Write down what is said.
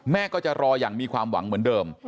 แม่ก็จะรออย่างมีความหวังเหมือนเดิม